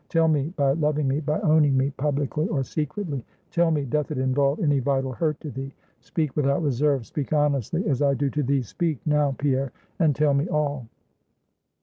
Tell me, by loving me, by owning me, publicly or secretly, tell me, doth it involve any vital hurt to thee? Speak without reserve; speak honestly; as I do to thee! Speak now, Pierre, and tell me all!"